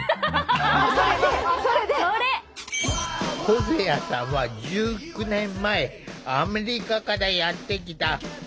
ホゼアさんは１９年前アメリカからやって来た。